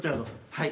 はい。